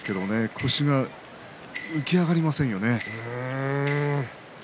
腰が持ち上がりませんよね。